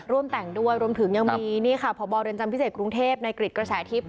ร่วมแต่งด้วยรวมถึงยังมีนี่ค่ะพบเรือนจำพิเศษกรุงเทพในกริจกระแสทิพย